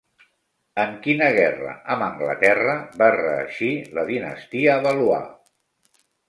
En quina guerra amb Anglaterra va reeixir la dinastia Valois?